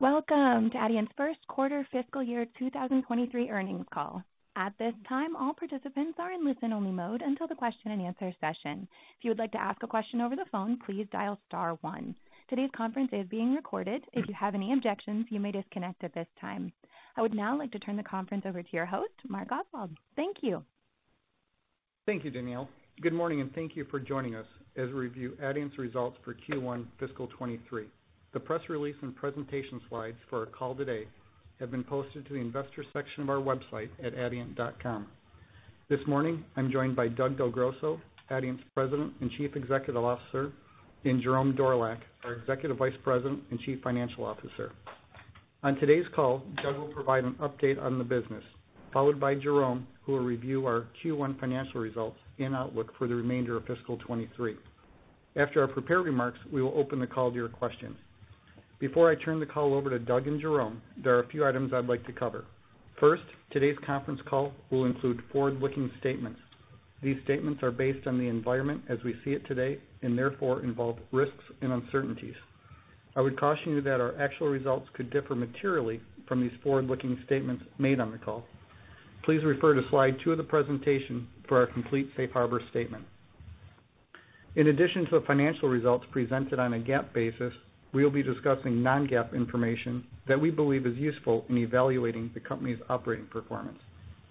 Welcome to Adient's First Quarter Fiscal Year 2023 Earnings Call. At this time, all participants are in listen-only mode until the question and answer session. If you would like to ask a question over the phone, please dial star one. Today's conference is being recorded. If you have any objections, you may disconnect at this time. I would now like to turn the conference over to your host, Mark Oswald. Thank you. Thank you, Danielle. Good morning, and thank you for joining us as we review Adient's results for Q1 fiscal 2023. The press release and presentation slides for our call today have been posted to the investor section of our website at adient.com. This morning, I'm joined by Doug Del Grosso, Adient's President and Chief Executive Officer, and Jerome Dorlack, our Executive Vice President and Chief Financial Officer. On today's call, Doug will provide an update on the business, followed by Jerome, who will review our Q1 financial results and outlook for the remainder of fiscal 2023. After our prepared remarks, we will open the call to your questions. Before I turn the call over to Doug and Jerome, there are a few items I'd like to cover. First, today's conference call will include forward-looking statements. These statements are based on the environment as we see it today, therefore involve risks and uncertainties. I would caution you that our actual results could differ materially from these forward-looking statements made on the call. Please refer to slide two of the presentation for our complete safe harbor statement. In addition to the financial results presented on a GAAP basis, we will be discussing non-GAAP information that we believe is useful in evaluating the company's operating performance.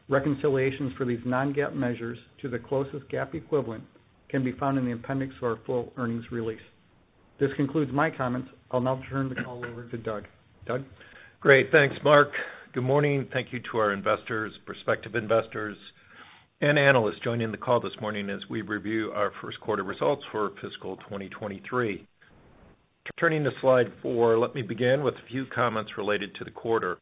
Reconciliations for these non-GAAP measures to the closest GAAP equivalent can be found in the appendix of our full earnings release. This concludes my comments. I'll now turn the call over to Doug. Doug? Great. Thanks, Mark. Good morning. Thank you to our investors, prospective investors, and analysts joining the call this morning as we review our first quarter results for fiscal 2023. Turning to slide four, let me begin with a few comments related to the quarter.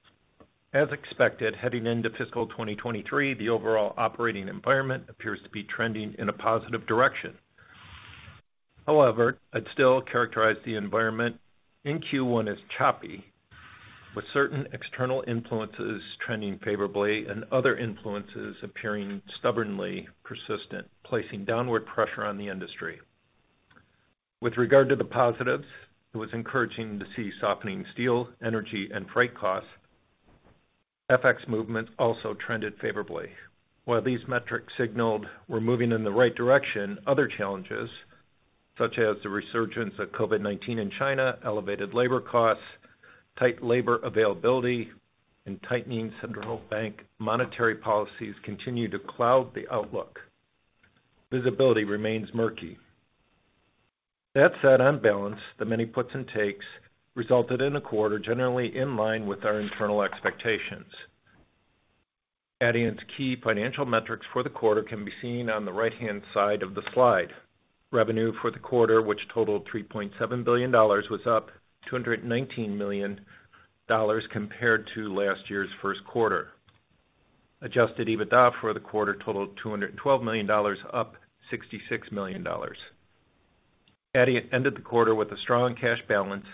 As expected, heading into fiscal 2023, the overall operating environment appears to be trending in a positive direction. I'd still characterize the environment in Q1 as choppy, with certain external influences trending favorably and other influences appearing stubbornly persistent, placing downward pressure on the industry. It was encouraging to see softening steel, energy, and freight costs. FX movements also trended favorably. These metrics signaled we're moving in the right direction, other challenges, such as the resurgence of COVID-19 in China, elevated labor costs, tight labor availability, and tightening central bank monetary policies continue to cloud the outlook. Visibility remains murky. That said, on balance, the many puts and takes resulted in a quarter generally in line with our internal expectations. Adient's key financial metrics for the quarter can be seen on the right-hand side of the slide. Revenue for the quarter, which totaled $3.7 billion, was up $219 million compared to last year's first quarter. Adjusted EBITDA for the quarter totaled $212 million, up $66 million. Adient ended the quarter with a strong cash balance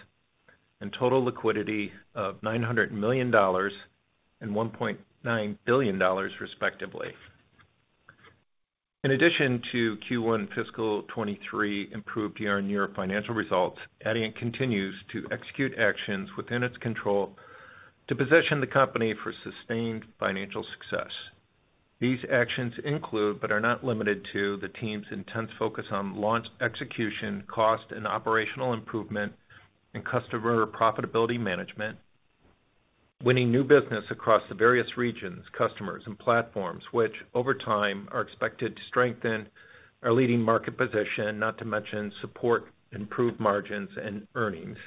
and total liquidity of $900 million and $1.9 billion, respectively. In addition to Q1 fiscal 2023 improved year-over-year financial results, Adient continues to execute actions within its control to position the company for sustained financial success. These actions include, but are not limited to, the team's intense focus on launch execution, cost, and operational improvement, and customer profitability management. Winning new business across the various regions, customers, and platforms, which over time are expected to strengthen our leading market position, not to mention support improved margins and earnings.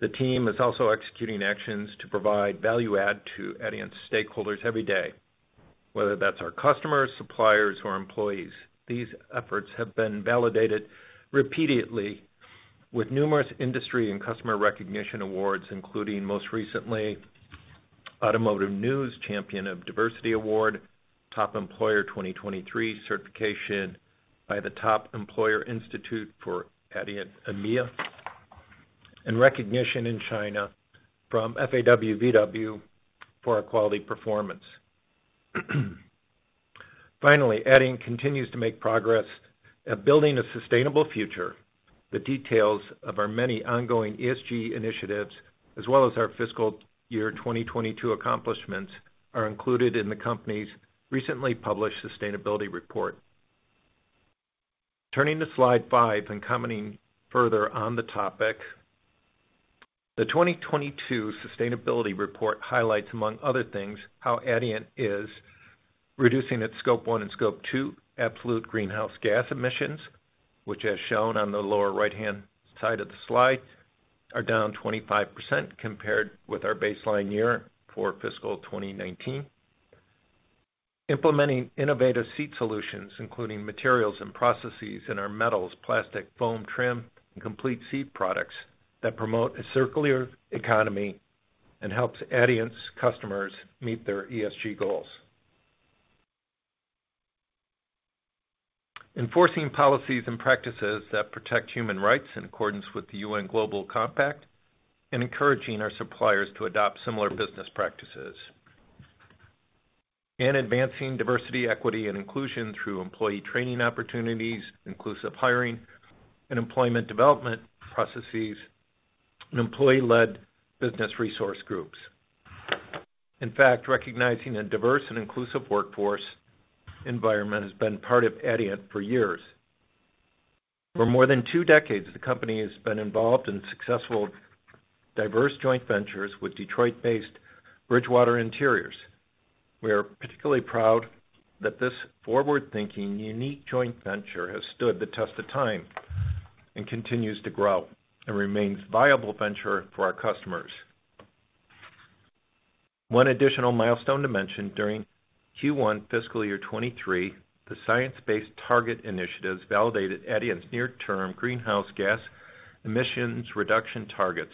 The team is also executing actions to provide value add to Adient stakeholders every day, whether that's our customers, suppliers, or employees. These efforts have been validated repeatedly with numerous industry and customer recognition awards, including most recently, Automotive News Champion of Diversity Award, Top Employers 2023 certification by the Top Employers Institute for Adient EMEA, and recognition in China from FAW-VW for our quality performance. Finally, Adient continues to make progress at building a sustainable future. The details of our many ongoing ESG initiatives, as well as our fiscal year 2022 accomplishments, are included in the company's recently published sustainability report. Turning to slide five and commenting further on the topic, the 2022 sustainability report highlights, among other things, how Adient is reducing its Scope 1 and Scope 2 absolute greenhouse gas emissions, which, as shown on the lower right-hand side of the slide, are down 25% compared with our baseline year for fiscal 2019. Implementing innovative seat solutions, including materials and processes in our metals, plastic, foam, trim, and complete seat products that promote a circular economy and helps Adient's customers meet their ESG goals. Enforcing policies and practices that protect human rights in accordance with the UN Global Compact and encouraging our suppliers to adopt similar business practices. Advancing diversity, equity and inclusion through employee training opportunities, inclusive hiring and employment development processes and employee-led business resource groups. In fact, recognizing a diverse and inclusive workforce environment has been part of Adient for years. For more than two decades, the company has been involved in successful diverse joint ventures with Detroit-based Bridgewater Interiors. We are particularly proud that this forward-thinking, unique joint venture has stood the test of time and continues to grow and remains viable venture for our customers. One additional milestone to mention during Q1 fiscal year 2023, the Science Based Targets initiatives validated Adient's near-term greenhouse gas emissions reduction targets,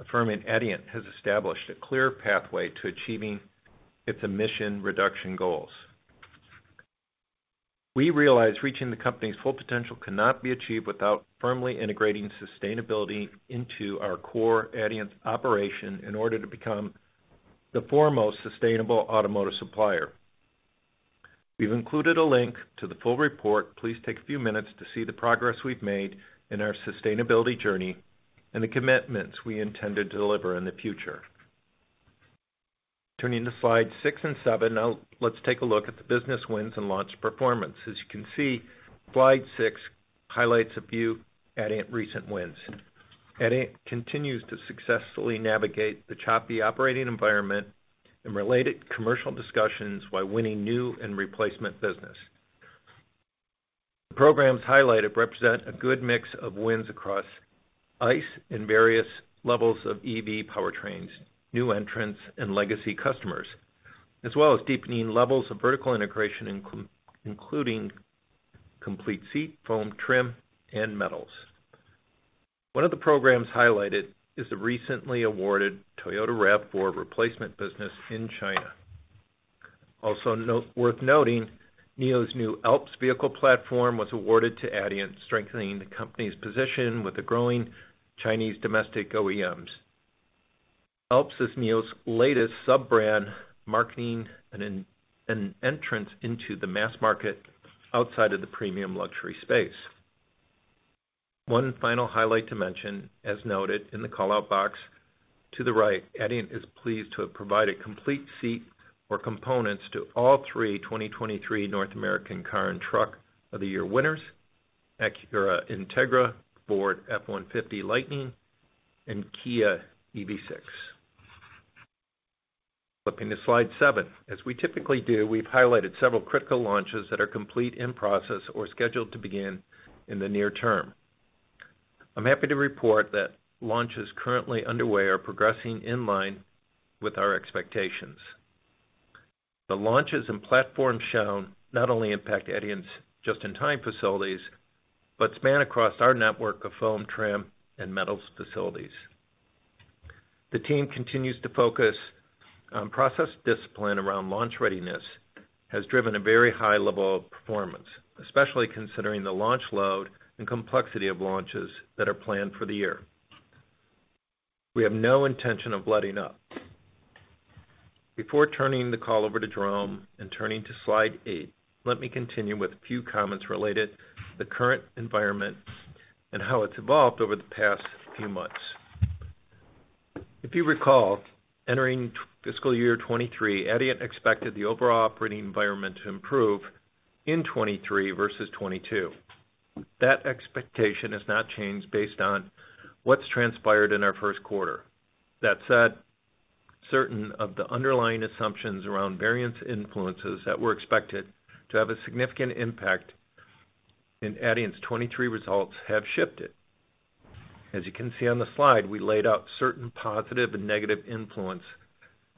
affirming Adient has established a clear pathway to achieving its emission reduction goals. We realize reaching the company's full potential cannot be achieved without firmly integrating sustainability into our core Adient operation in order to become the foremost sustainable automotive supplier. We've included a link to the full report. Please take a few minutes to see the progress we've made in our sustainability journey and the commitments we intend to deliver in the future. Turning to slide six and seven, let's take a look at the business wins and launch performance. As you can see, slide six highlights a few Adient recent wins. Adient continues to successfully navigate the choppy operating environment and related commercial discussions while winning new and replacement business. The programs highlighted represent a good mix of wins across ICE and various levels of EV powertrains, new entrants and legacy customers, as well as deepening levels of vertical integration, including complete seat, foam trim, and metals. One of the programs highlighted is the recently awarded Toyota RAV4 replacement business in China. Worth noting, NIO's new Alps vehicle platform was awarded to Adient, strengthening the company's position with the growing Chinese domestic OEMs. Alps is NIO's latest sub-brand, marketing an entrance into the mass market outside of the premium luxury space. One final highlight to mention, as noted in the call-out box to the right, Adient is pleased to have provided complete seat or components to all three 2023 North American Car and Truck of the Year winners, Acura Integra, Ford F-150 Lightning, and Kia EV6. Flipping to slide seven. As we typically do, we've highlighted several critical launches that are complete, in process, or scheduled to begin in the near term. I'm happy to report that launches currently underway are progressing in line with our expectations. The launches and platforms shown not only impact Adient's just-in-time facilities, but span across our network of foam, trim, and metals facilities. The team continues to focus on process discipline around launch readiness, has driven a very high level of performance, especially considering the launch load and complexity of launches that are planned for the year. We have no intention of letting up. Before turning the call over to Jerome and turning to slide eight, let me continue with a few comments related to the current environment and how it's evolved over the past few months. If you recall, entering fiscal year 2023, Adient expected the overall operating environment to improve in 2023 versus 2022. That expectation has not changed based on what's transpired in our first quarter. That said, certain of the underlying assumptions around variance influences that were expected to have a significant impact in Adient's 2023 results have shifted. As you can see on the slide, we laid out certain positive and negative influence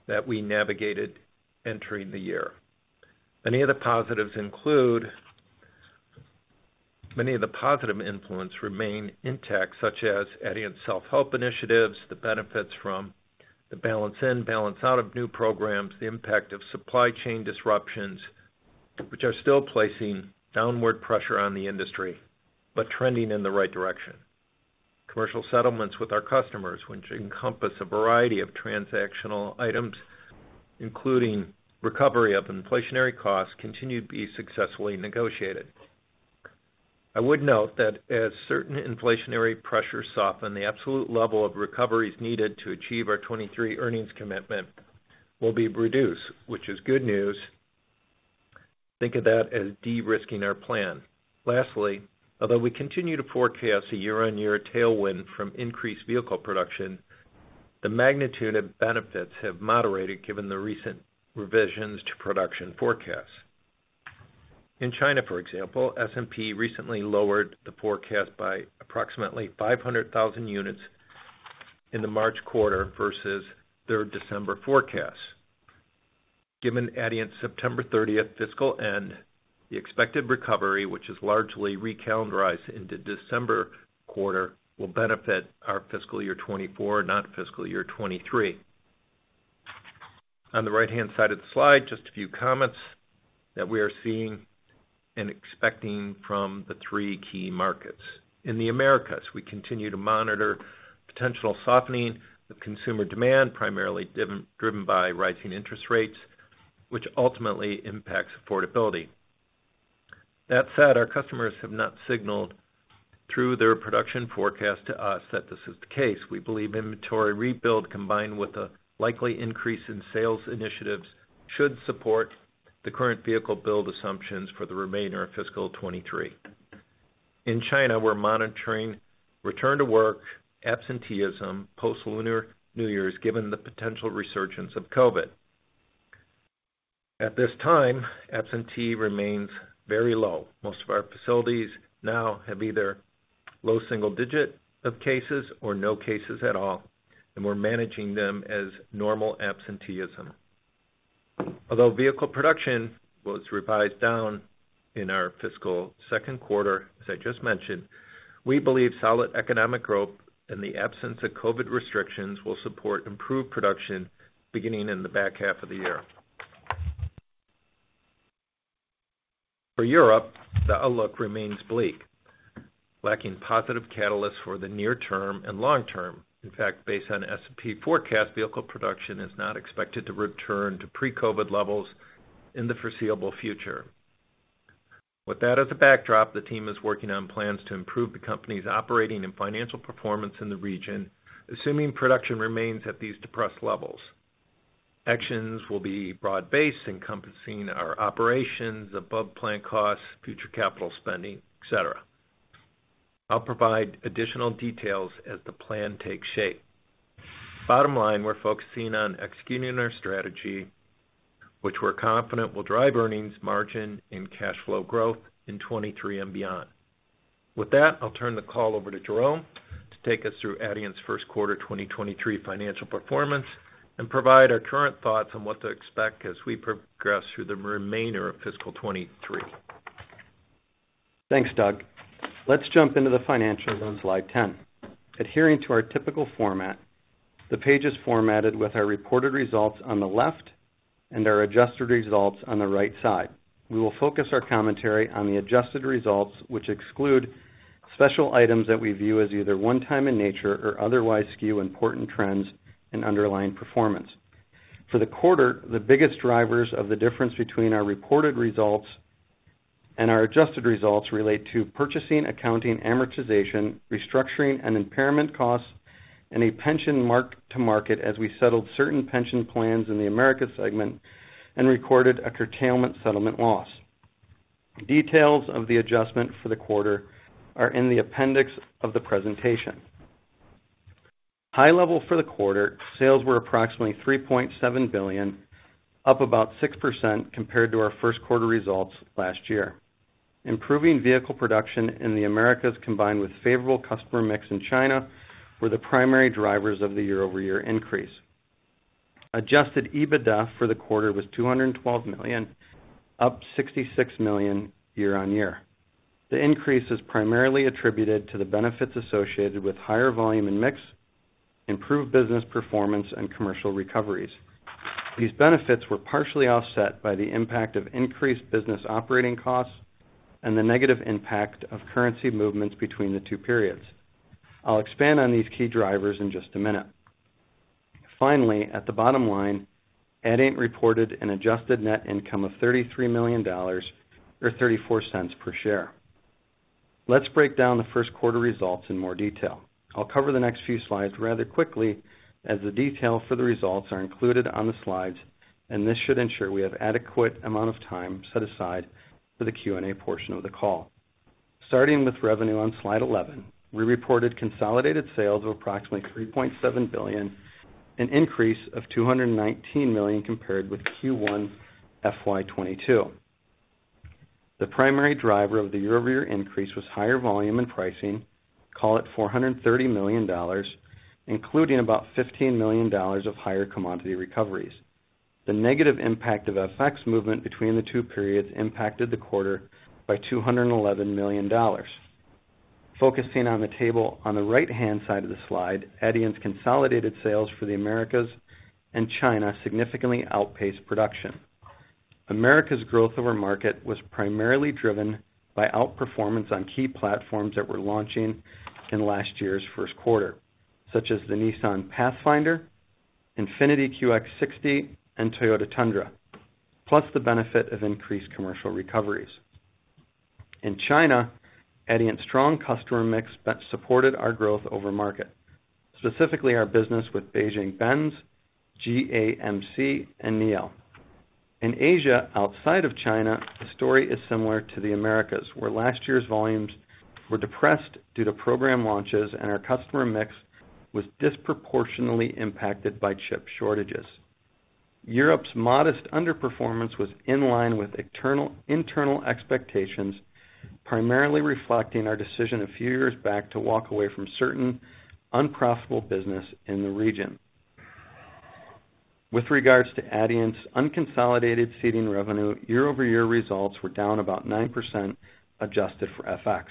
that we navigated entering the year. Many of the positive influence remain intact, such as Adient's self-help initiatives, the benefits from the balance-in, balance-out of new programs, the impact of supply chain disruptions, which are still placing downward pressure on the industry, but trending in the right direction. Commercial settlements with our customers, which encompass a variety of transactional items, including recovery of inflationary costs, continue to be successfully negotiated. I would note that as certain inflationary pressures soften, the absolute level of recoveries needed to achieve our 2023 earnings commitment will be reduced, which is good news. Think of that as de-risking our plan. Lastly, although we continue to forecast a year-on-year tailwind from increased vehicle production, the magnitude of benefits have moderated given the recent revisions to production forecasts. In China, for example, S&P recently lowered the forecast by approximately 500,000 units in the March quarter versus their December forecast. Given Adient's September 30th fiscal end, the expected recovery, which is largely re-calendarized into December quarter, will benefit our fiscal year 2024, not fiscal year 2023. On the right-hand side of the slide, just a few comments that we are seeing and expecting from the three key markets. In the Americas, we continue to monitor potential softening of consumer demand, primarily driven by rising interest rates, which ultimately impacts affordability. That said, our customers have not signaled through their production forecast to us that this is the case. We believe inventory rebuild, combined with a likely increase in sales initiatives should support the current vehicle build assumptions for the remainder of fiscal 2023. In China, we're monitoring return to work absenteeism post-Lunar New Year, given the potential resurgence of COVID. At this time, absentee remains very low. Most of our facilities now have either low single digit of cases or no cases at all, and we're managing them as normal absenteeism. Although vehicle production was revised down in our fiscal second quarter, as I just mentioned, we believe solid economic growth in the absence of COVID restrictions will support improved production beginning in the back half of the year. For Europe, the outlook remains bleak, lacking positive catalysts for the near term and long term. In fact, based on S&P forecast, vehicle production is not expected to return to pre-COVID levels in the foreseeable future. With that as a backdrop, the team is working on plans to improve the company's operating and financial performance in the region assuming production remains at these depressed levels. Actions will be broad-based, encompassing our operations, above plant costs, future capital spending, et cetera. I'll provide additional details as the plan takes shape. Bottom line, we're focusing on executing our strategy, which we're confident will drive earnings margin and cash flow growth in 2023 and beyond. With that, I'll turn the call over to Jerome to take us through Adient's first quarter 2023 financial performance and provide our current thoughts on what to expect as we progress through the remainder of fiscal 2023. Thanks, Doug. Let's jump into the financials on slide 10. Adhering to our typical format, the page is formatted with our reported results on the left and our adjusted results on the right side. We will focus our commentary on the adjusted results, which exclude special items that we view as either one-time in nature or otherwise skew important trends and underlying performance. For the quarter, the biggest drivers of the difference between our reported results and our adjusted results relate to purchasing, accounting, amortization, restructuring, and impairment costs, and a pension mark-to-market as we settled certain pension plans in the Americas segment and recorded a curtailment settlement loss. Details of the adjustment for the quarter are in the appendix of the presentation. High level for the quarter, sales were approximately $3.7 billion, up about 6% compared to our first quarter results last year. Improving vehicle production in the Americas, combined with favorable customer mix in China, were the primary drivers of the year-over-year increase. Adjusted EBITDA for the quarter was $212 million, up $66 million year-on-year. The increase is primarily attributed to the benefits associated with higher volume and mix, improved business performance and commercial recoveries. These benefits were partially offset by the impact of increased business operating costs and the negative impact of currency movements between the two periods. I'll expand on these key drivers in just a minute. Finally, at the bottom line, Adient reported an adjusted net income of $33 million or $0.34 per share. Let's break down the first quarter results in more detail. I'll cover the next few slides rather quickly as the detail for the results are included on the slides, and this should ensure we have adequate amount of time set aside for the Q&A portion of the call. Starting with revenue on slide 11, we reported consolidated sales of approximately $3.7 billion, an increase of $219 million compared with Q1 FY 2022. The primary driver of the year-over-year increase was higher volume and pricing, call it $430 million, including about $15 million of higher commodity recoveries. The negative impact of FX movement between the two periods impacted the quarter by $211 million. Focusing on the table on the right-hand side of the slide, Adient's consolidated sales for the Americas and China significantly outpaced production. America's growth over market was primarily driven by outperformance on key platforms that were launching in last year's first quarter, such as the Nissan Pathfinder, INFINITI QX60, and Toyota Tundra, plus the benefit of increased commercial recoveries. In China, Adient's strong customer mix that supported our growth over market, specifically our business with Beijing Benz, GAC, and NIO. In Asia, outside of China, the story is similar to the Americas, where last year's volumes were depressed due to program launches and our customer mix was disproportionately impacted by chip shortages. Europe's modest underperformance was in line with internal expectations, primarily reflecting our decision a few years back to walk away from certain unprofitable business in the region. With regards to Adient's unconsolidated seating revenue, year-over-year results were down about 9% adjusted for FX.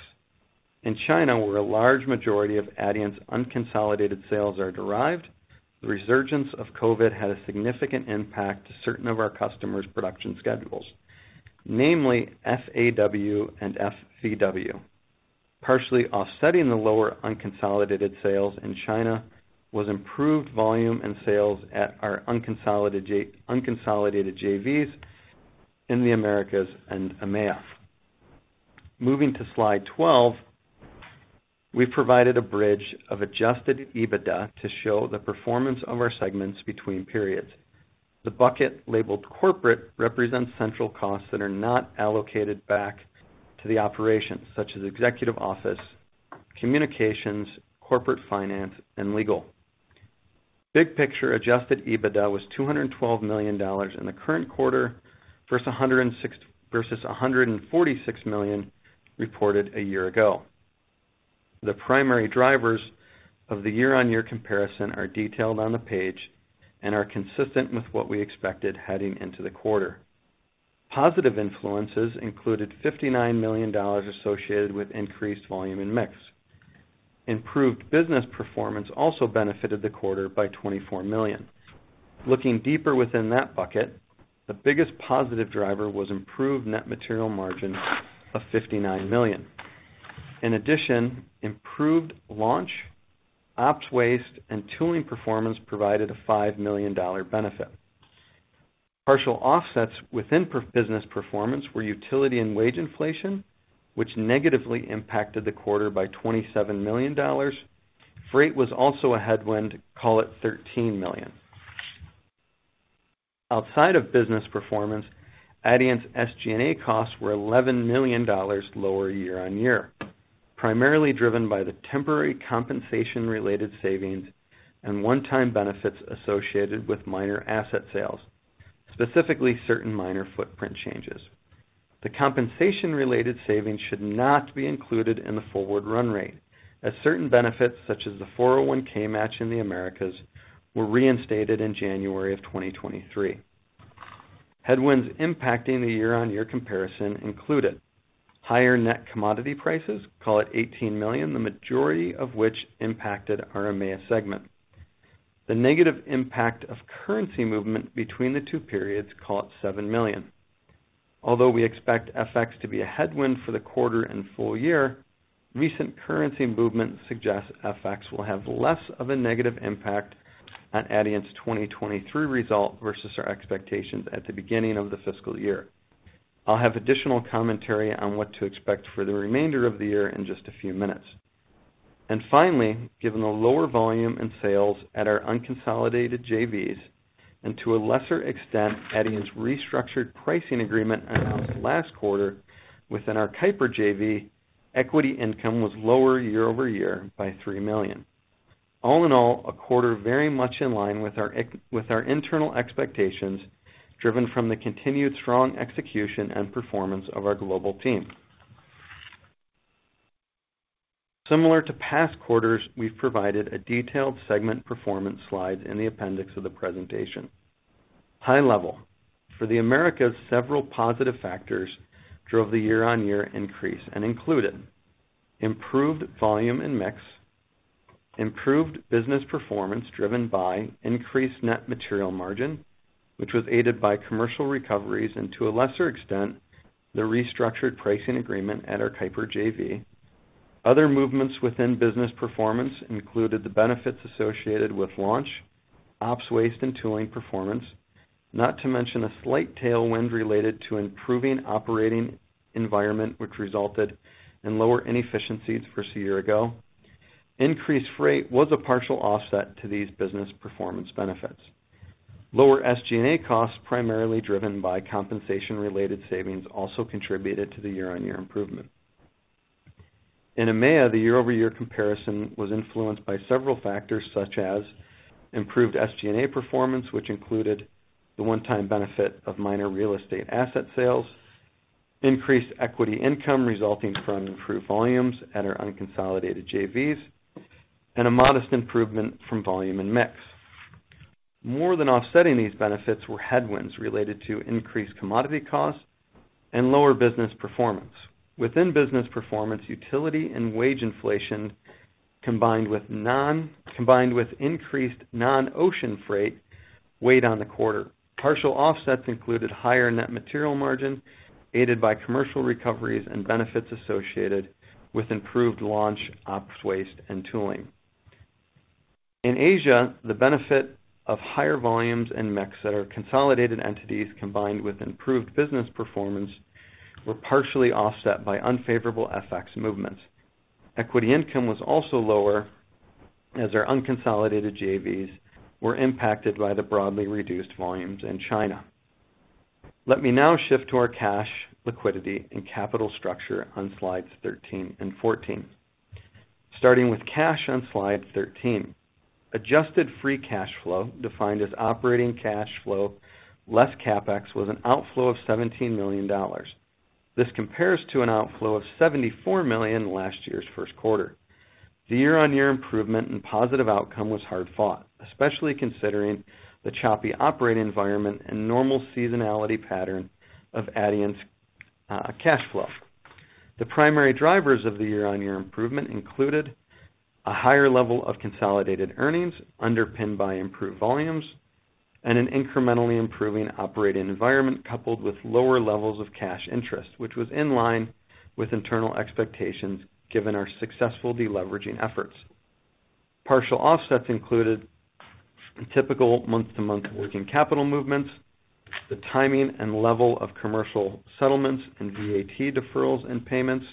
In China, where a large majority of Adient's unconsolidated sales are derived, the resurgence of COVID had a significant impact to certain of our customers' production schedules, namely FAW and FAW-VW. Partially offsetting the lower unconsolidated sales in China was improved volume and sales at our unconsolidated JVs in the Americas and EMEA. Moving to slide 12, we provided a bridge of Adjusted EBITDA to show the performance of our segments between periods. The bucket labeled Corporate represents central costs that are not allocated back to the operations such as executive office, communications, corporate finance and legal. Big picture, Adjusted EBITDA was $212 million in the current quarter, versus $146 million reported a year ago. The primary drivers of the year-on-year comparison are detailed on the page and are consistent with what we expected heading into the quarter. Positive influences included $59 million associated with increased volume and mix. Improved business performance also benefited the quarter by $24 million. Looking deeper within that bucket, the biggest positive driver was improved net material margin of $59 million. In addition, improved launch, ops waste, and tooling performance provided a $5 million benefit. Partial offsets within business performance were utility and wage inflation, which negatively impacted the quarter by $27 million. Freight was also a headwind, call it $13 million. Outside of business performance, Adient's SG&A costs were $11 million lower year-on-year, primarily driven by the temporary compensation related savings and one-time benefits associated with minor asset sales, specifically certain minor footprint changes. The compensation related savings should not be included in the forward run rate, as certain benefits, such as the 401(k) match in the Americas, were reinstated in January of 2023. Headwinds impacting the year-on-year comparison included higher net commodity prices, call it $18 million, the majority of which impacted our EMEA segment. The negative impact of currency movement between the two periods, call it $7 million. Although we expect FX to be a headwind for the quarter and full year, recent currency movement suggests FX will have less of a negative impact on Adient's 2023 result versus our expectations at the beginning of the fiscal year. I'll have additional commentary on what to expect for the remainder of the year in just a few minutes. Finally, given the lower volume and sales at our unconsolidated JVs, and to a lesser extent, Adient's restructured pricing agreement announced last quarter within our Keiper JV, equity income was lower year-over-year by $3 million. All in all, a quarter very much in line with our internal expectations, driven from the continued strong execution and performance of our global team. Similar to past quarters, we've provided a detailed segment performance slide in the appendix of the presentation. High level. For the Americas, several positive factors drove the year-on-year increase and included: improved volume and mix, improved business performance driven by increased net material margin, which was aided by commercial recoveries, and to a lesser extent, the restructured pricing agreement at our Keiper JV. Other movements within business performance included the benefits associated with launch, ops waste, and tooling performance, not to mention a slight tailwind related to improving operating environment, which resulted in lower inefficiencies versus a year ago. Increased freight was a partial offset to these business performance benefits. Lower SG&A costs, primarily driven by compensation related savings, also contributed to the year-on-year improvement. In EMEA, the year-over-year comparison was influenced by several factors, such as improved SG&A performance, which included the one-time benefit of minor real estate asset sales, increased equity income resulting from improved volumes at our unconsolidated JVs, and a modest improvement from volume and mix. More than offsetting these benefits were headwinds related to increased commodity costs and lower business performance. Within business performance, utility and wage inflation, combined with increased non-ocean freight weighed on the quarter. Partial offsets included higher net material margin, aided by commercial recoveries and benefits associated with improved launch, ops waste, and tooling. In Asia, the benefit of higher volumes and mix that are consolidated entities combined with improved business performance were partially offset by unfavorable FX movements. Equity income was also lower as our unconsolidated JVs were impacted by the broadly reduced volumes in China. Let me now shift to our cash liquidity and capital structure on slides 13 and 14. Starting with cash on slide 13. Adjusted free cash flow, defined as operating cash flow less CapEx, was an outflow of $17 million. This compares to an outflow of $74 million last year's first quarter. The year-on-year improvement and positive outcome was hard-fought, especially considering the choppy operating environment and normal seasonality pattern of Adient's cash flow. The primary drivers of the year-on-year improvement included a higher level of consolidated earnings underpinned by improved volumes and an incrementally improving operating environment, coupled with lower levels of cash interest, which was in line with internal expectations given our successful deleveraging efforts. Partial offsets included typical month-to-month working capital movements, the timing and level of commercial settlements and VAT deferrals and payments,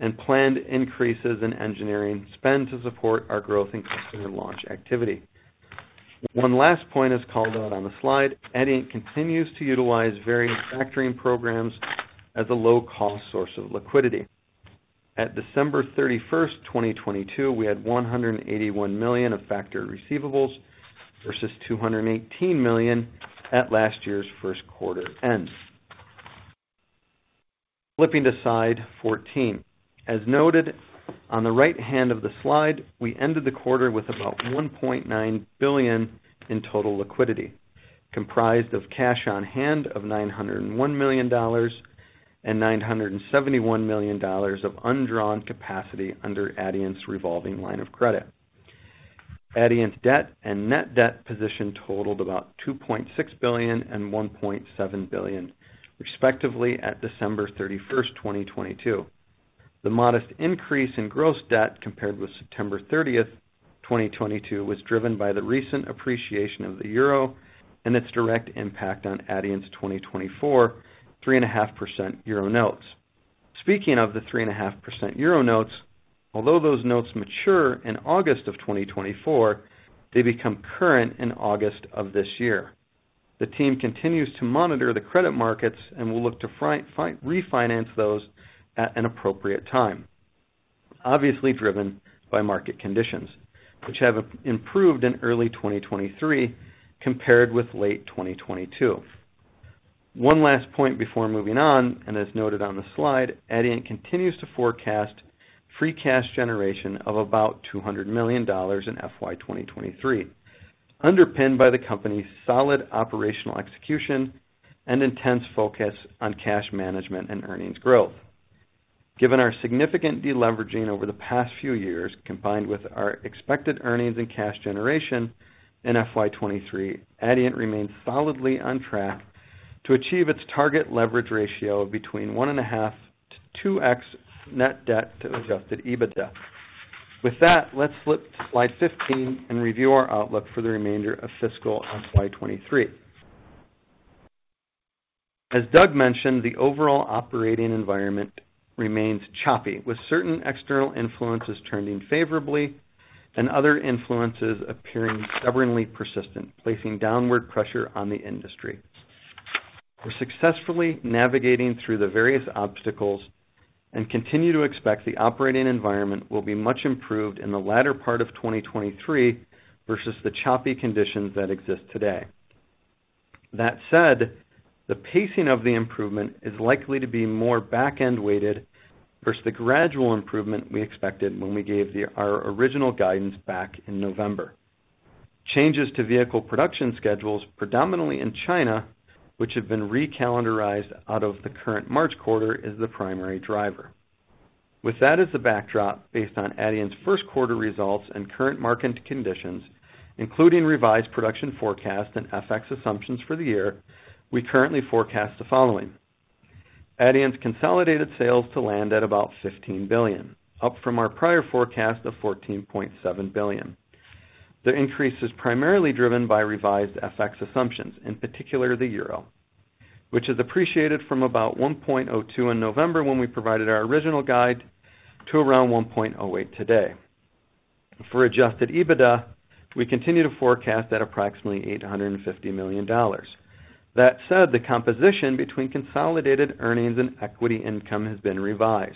and planned increases in engineering spend to support our growth in customer launch activity. One last point is called out on the slide. Adient continues to utilize various factoring programs as a low-cost source of liquidity. At December 31st, 2022, we had $181 million of factor receivables versus $218 million at last year's first quarter end. Flipping to slide 14. As noted on the right hand of the slide, we ended the quarter with about $1.9 billion in total liquidity, comprised of cash on hand of $901 million and $971 million of undrawn capacity under Adient's revolving line of credit. Adient's debt and net debt position totaled about $2.6 billion and $1.7 billion, respectively, at December 31st, 2022. The modest increase in gross debt compared with September 30th, 2022, was driven by the recent appreciation of the euro and its direct impact on Adient's 2024 3.5% Euro Notes. Speaking of the 3.5% Euro Notes, although those notes mature in August of 2024, they become current in August of this year. The team continues to monitor the credit markets and will look to refinance those at an appropriate time. Obviously driven by market conditions which have improved in early 2023 compared with late 2022. One last point before moving on, and as noted on the slide, Adient continues to forecast free cash generation of about $200 million in FY 2023, underpinned by the company's solid operational execution and intense focus on cash management and earnings growth. Given our significant deleveraging over the past few years, combined with our expected earnings and cash generation in FY 2023, Adient remains solidly on track to achieve its target leverage ratio of between 1.5x-2x net debt to Adjusted EBITDA. With that, let's flip to slide 15 and review our outlook for the remainder of fiscal FY 2023. As Doug mentioned, the overall operating environment remains choppy, with certain external influences turning favorably and other influences appearing stubbornly persistent, placing downward pressure on the industry. We're successfully navigating through the various obstacles and continue to expect the operating environment will be much improved in the latter part of 2023 versus the choppy conditions that exist today. That said, the pacing of the improvement is likely to be more back-end weighted versus the gradual improvement we expected when we gave our original guidance back in November. Changes to vehicle production schedules, predominantly in China, which have been re-calendarized out of the current March quarter, is the primary driver. With that as a backdrop, based on Adient's first quarter results and current market conditions, including revised production forecasts and FX assumptions for the year, we currently forecast the following. Adient's consolidated sales to land at about $15 billion, up from our prior forecast of $14.7 billion. The increase is primarily driven by revised FX assumptions, in particular the euro, which has appreciated from about 1.02 in November when we provided our original guide, to around 1.08 today. For Adjusted EBITDA, we continue to forecast at approximately $850 million. That said, the composition between consolidated earnings and equity income has been revised.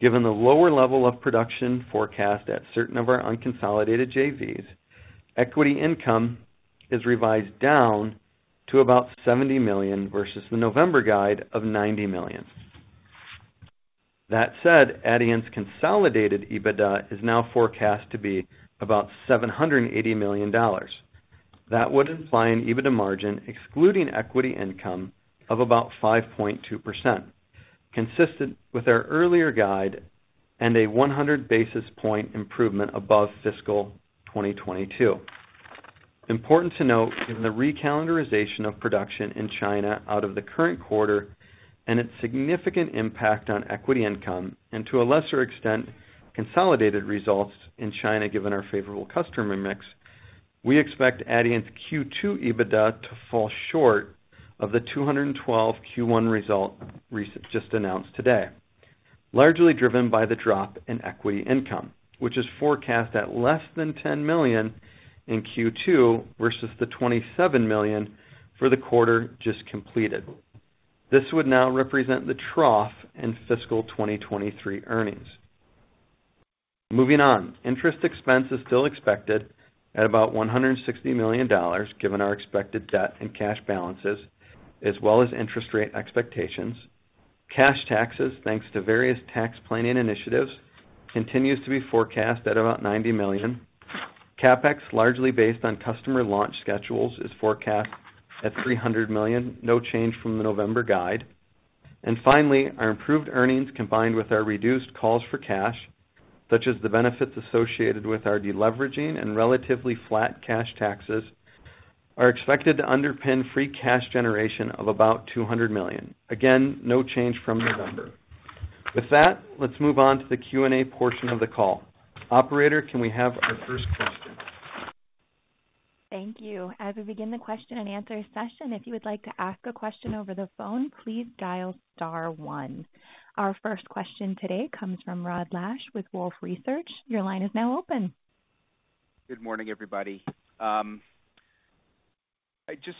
Given the lower level of production forecast at certain of our unconsolidated JVs, equity income is revised down to about $70 million versus the November guide of $90 million. That said, Adient's consolidated EBITDA is now forecast to be about $780 million. That would imply an EBITDA margin excluding equity income of about 5.2%, consistent with our earlier guide and a 100 basis point improvement above fiscal 2022. Important to note in the re-calendarization of production in China out of the current quarter and its significant impact on equity income and, to a lesser extent, consolidated results in China given our favorable customer mix, we expect Adient's Q2 EBITDA to fall short of the 212 Q1 result just announced today, largely driven by the drop in equity income, which is forecast at less than $10 million in Q2 versus the $27 million for the quarter just completed. This would now represent the trough in fiscal 2023 earnings. Moving on. Interest expense is still expected at about $160 million given our expected debt and cash balances, as well as interest rate expectations. Cash taxes, thanks to various tax planning initiatives, continues to be forecast at about $90 million. CapEx, largely based on customer launch schedules, is forecast at $300 million, no change from the November guide. Finally, our improved earnings combined with our reduced calls for cash, such as the benefits associated with our de-leveraging and relatively flat cash taxes, are expected to underpin free cash generation of about $200 million. Again, no change from November. With that, let's move on to the Q&A portion of the call. Operator, can we have our first question? Thank you. As we begin the question and answer session, if you would like to ask a question over the phone, please dial star one. Our first question today comes from Rod Lache with Wolfe Research. Your line is now open. Good morning, everybody. I just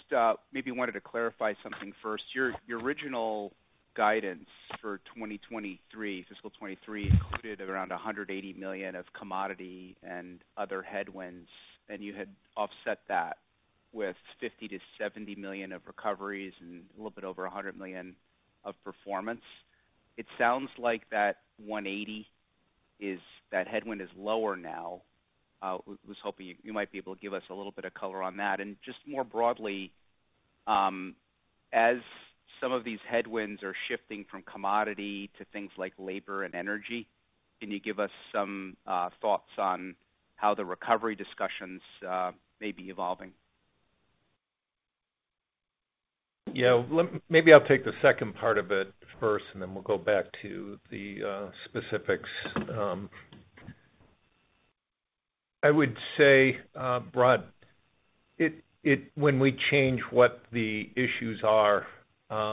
maybe wanted to clarify something first. Your original guidance for 2023, fiscal 2023 included around $180 million of commodity and other headwinds, and you had offset that with $50 million-$70 million of recoveries and a little bit over $100 million of performance. It sounds like that 180 that headwind is lower now. was hoping you might be able to give us a little bit of color on that. Just more broadly, as some of these headwinds are shifting from commodity to things like labor and energy, can you give us some thoughts on how the recovery discussions may be evolving? Yeah. Maybe I'll take the second part of it first, and then we'll go back to the specifics. I would say, Rod, when we change what the issues are,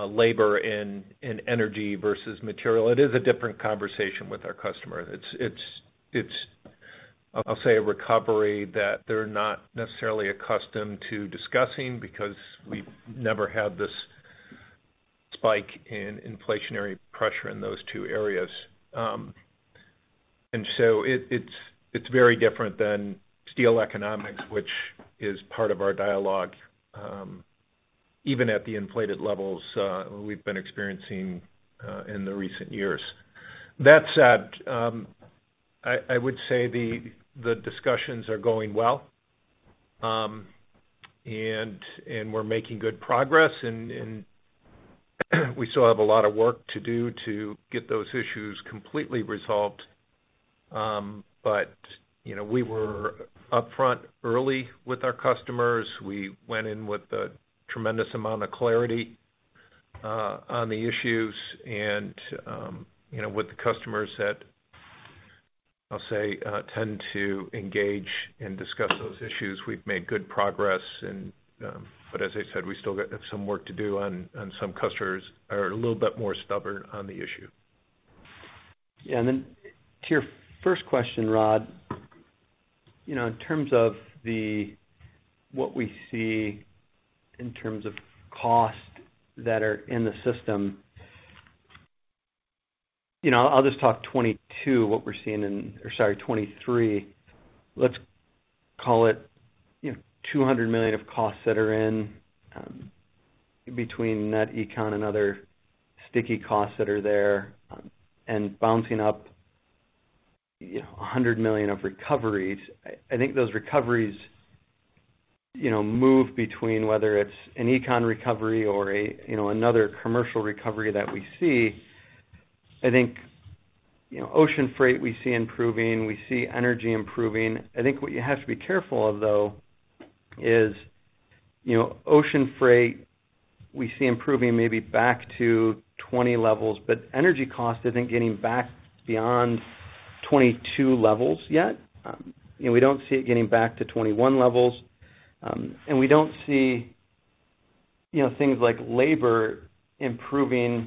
labor and energy versus material, it is a different conversation with our customer. It's, I'll say, a recovery that they're not necessarily accustomed to discussing because we've never had this spike in inflationary pressure in those two areas. So it's very different than steel economics, which is part of our dialogue, even at the inflated levels we've been experiencing in the recent years. That said, I would say the discussions are going well, and we're making good progress. We still have a lot of work to do to get those issues completely resolved. You know, we were upfront early with our customers. We went in with a tremendous amount of clarity on the issues. You know, with the customers that I'll say tend to engage and discuss those issues, we've made good progress and but as I said, we still got some work to do on some customers are a little bit more stubborn on the issue. Yeah. To your first question, Rod, you know, in terms of the, what we see in terms of costs that are in the system, you know, I'll just talk 2022, what we're seeing in. Or sorry, 2023. Let's call it, you know, $200 million of costs that are in, between net econ and other sticky costs that are there, and bouncing up, you know, $100 million of recoveries. I think those recoveries, you know, move between whether it's an econ recovery or a, you know, another commercial recovery that we see. I think, you know, ocean freight we see improving, we see energy improving. I think what you have to be careful of though is, you know, ocean freight, we see improving maybe back to 2020 levels, but energy costs isn't getting back beyond 2022 levels yet. You know, we don't see it getting back to 2021 levels, and we don't see, you know, things like labor improving. You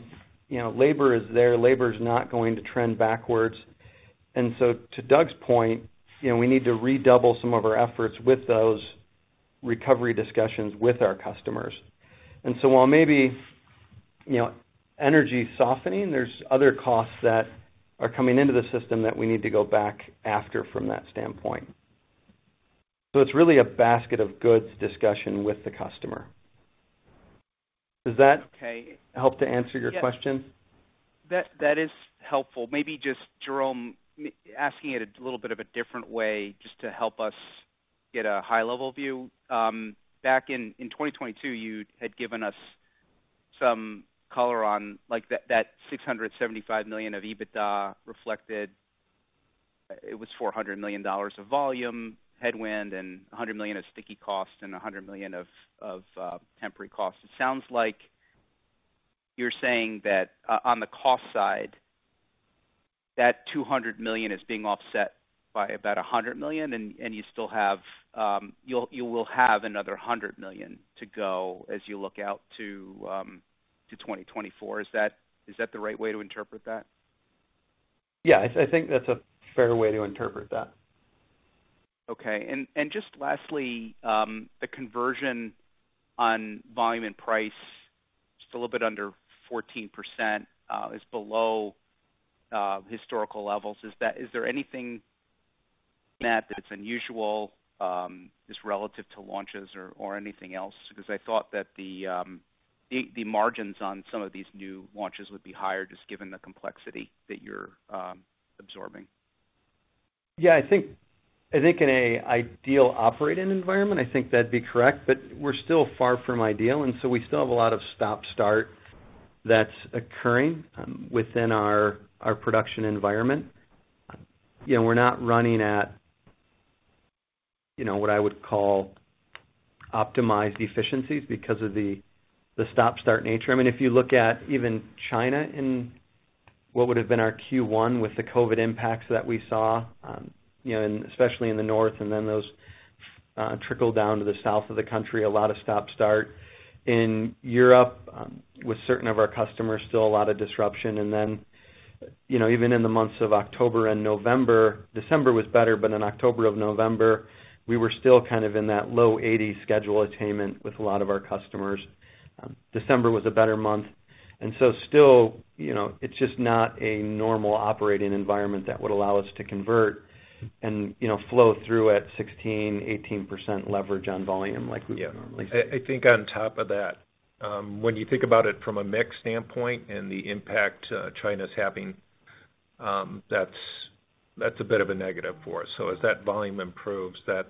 know, labor is there, labor is not going to trend backwards. To Doug's point, you know, we need to redouble some of our efforts with those recovery discussions with our customers. While maybe, you know, energy softening, there's other costs that are coming into the system that we need to go back after from that standpoint. It's really a basket of goods discussion with the customer. Does that? Okay. help to answer your question? Yeah. That is helpful. Maybe just Jerome asking it a little bit of a different way just to help us get a high level view. Back in 2022, you had given us some color on like that $675 million of EBITDA reflected. It was $400 million of volume headwind and $100 million of sticky costs and $100 million of temporary costs. It sounds like you're saying that on the cost side, that $200 million is being offset by about $100 million, and you still have, you will have another $100 million to go as you look out to 2024. Is that the right way to interpret that? Yeah. I think that's a fair way to interpret that. Okay. Just lastly, the conversion on volume and price, just a little bit under 14%, is below historical levels. Is there anything in that that's unusual, just relative to launches or anything else? I thought that the margins on some of these new launches would be higher just given the complexity that you're absorbing. Yeah, I think in an ideal operating environment, I think that'd be correct, but we're still far from ideal, and so we still have a lot of stop-start that's occurring within our production environment. You know, we're not running at, you know, what I would call optimized efficiencies because of the stop-start nature. I mean, if you look at even China in what would have been our Q1 with the COVID impacts that we saw, you know, and especially in the north, and then those trickle down to the south of the country, a lot of stop-start. In Europe, with certain of our customers, still a lot of disruption. You know, even in the months of October and November, December was better, but in October or November, we were still kind of in that low 80 schedule attainment with a lot of our customers. December was a better month. Still, you know, it's just not a normal operating environment that would allow us to convert and, you know, flow through at 16%, 18% leverage on volume like we would normally see. Yeah. I think on top of that, when you think about it from a mix standpoint and the impact, China's having, that's a bit of a negative for us. As that volume improves, that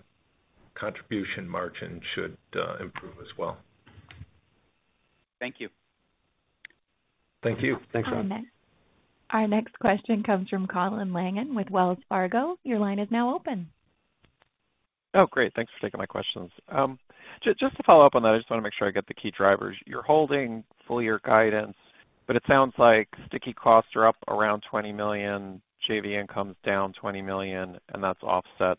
contribution margin should improve as well. Thank you. Thank you. Thanks, Rod. Our next question comes from Colin Langan with Wells Fargo. Your line is now open. Great. Thanks for taking my questions. Just to follow up on that, I just wanna make sure I get the key drivers. You're holding full year guidance, but it sounds like sticky costs are up around $20 million, JV income's down $20 million, and that's offset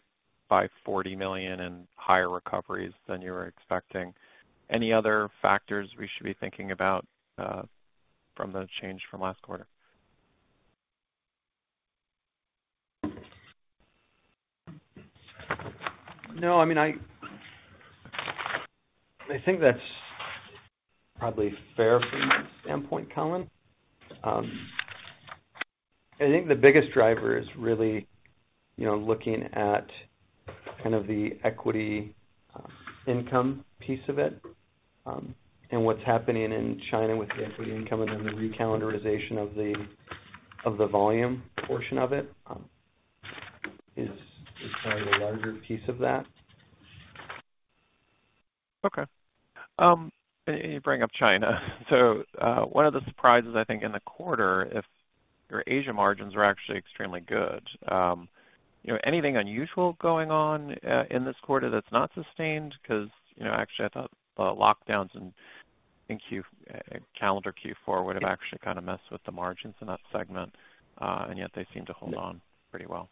by $40 million in higher recoveries than you were expecting. Any other factors we should be thinking about from the change from last quarter? No, I mean, I think that's probably fair from that standpoint, Colin. I think the biggest driver is really, you know, looking at kind of the equity income piece of it, and what's happening in China with the equity income and then the re-calendarization of the volume portion of it, is probably the larger piece of that. Okay. You bring up China. One of the surprises, I think, in the quarter if your Asia margins are actually extremely good, you know, anything unusual going on, in this quarter that's not sustained? 'Cause, you know, actually I thought the lockdowns in calendar Q4 would have actually kind of messed with the margins in that segment, yet they seem to hold on pretty well.